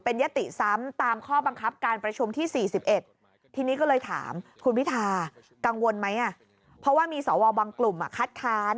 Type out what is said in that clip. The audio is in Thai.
เพราะว่ามีสวบวาลบางกลุ่มคัดทาน